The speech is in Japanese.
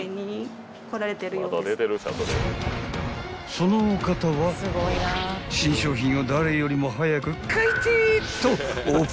［そのお方は新商品を誰よりも早く買いてぇ！と］